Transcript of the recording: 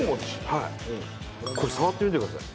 はいこれ触ってみてください